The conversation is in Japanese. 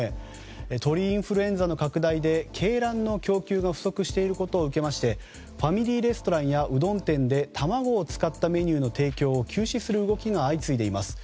鳥インフルエンザの拡大で鶏卵の供給が不足していることを受けましてファミリーレストランやうどん店で卵を使ったメニューの提供を休止する動きが相次いでいます。